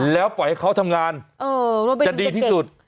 แล้วปล่อยให้เขาทำงานจะดีที่สุด